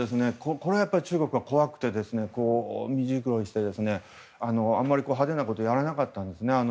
これが中国は怖くて身づくろいをしてあまり派手なことをやれなかったんですね。